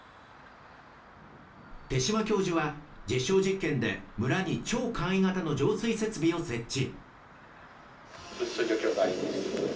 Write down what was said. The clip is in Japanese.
手嶋教授は、実証実験で、村に超簡易型の浄水設備を設置。